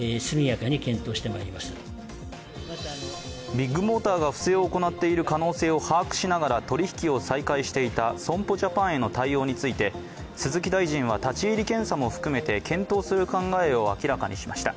ビッグモーターが不正を行っている可能性を把握しながら取り引きを再開していた損保ジャパンへの対応について鈴木大臣は立入検査も含めて検討する考えを明らかにしました。